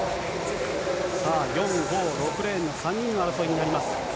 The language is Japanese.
さあ、４、５、６レーンの３人の争いになります。